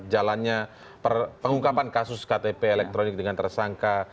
jalannya pengungkapan kasus ktp elektronik dengan tersangka